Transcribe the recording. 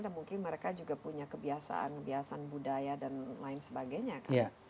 dan mungkin mereka juga punya kebiasaan budaya dan lain sebagainya